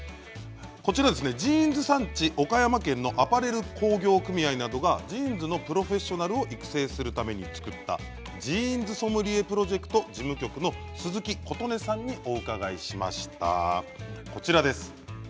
こちらジーンズ産地、岡山県のアパレル工業組合などがジーンズのプロフェッショナルを育成するために作ったジーンズソムリエプロジェクト事務局の鈴木琴音さんにお伺いしました。